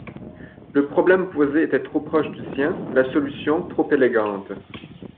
le problème posé était trop proche du sien, la solution trop élégante.